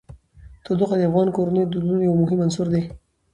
تودوخه د افغان کورنیو د دودونو یو مهم عنصر دی.